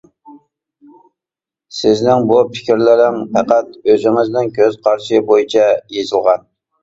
سىزنىڭ بۇ پىكىرلىرىڭ پەقەت، ئۆزىڭىزنىڭ كۆز قارىشى بويىچە يېزىلغان.